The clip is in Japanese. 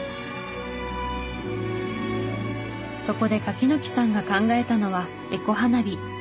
そこで柿木さんが考えたのはエコ花火。